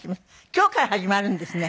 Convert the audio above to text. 今日から始まるんですね。